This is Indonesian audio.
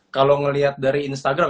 kalau ngelihat dari instagram